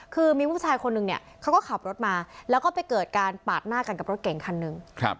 คือมีผู้ชายคนนึงเนี่ยเขาก็ขับรถมาแล้วก็ไปเกิดการปาดหน้ากันกับรถเก่งคันหนึ่ง